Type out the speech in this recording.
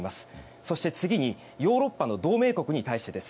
そして次に、ヨーロッパの同盟国に対してです。